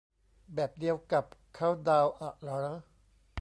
แบบเดียวกับเคาน์ดาวน์อะเหรอ